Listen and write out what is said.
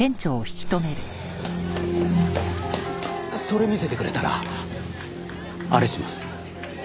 それ見せてくれたらあれします。